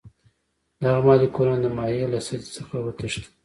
دغه مالیکولونه د مایع له سطحې څخه وتښتي.